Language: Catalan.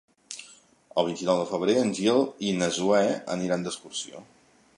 El vint-i-nou de febrer en Gil i na Zoè aniran d'excursió.